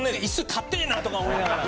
硬えなとか思いながら。